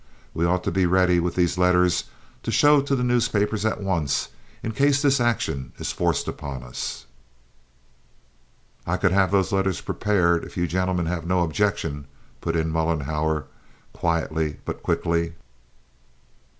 We ought to be ready with these letters to show to the newspapers at once, in case this action is forced upon us." "I could have those letters prepared, if you gentlemen have no objection," put in Mollenhauer, quietly, but quickly.